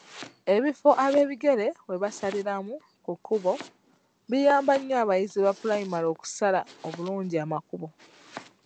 Ebifo ab'ebigere webasaliramu ku kkubo biyamba nnyo abayizi ba pulayimale okusala obulungi amakubo.